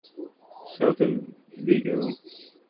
Celta Vigo